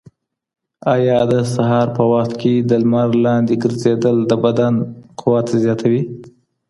ایا د سهار په وخت کي د لمر لاندي ګرځېدل د بدن قوت زیاتوي؟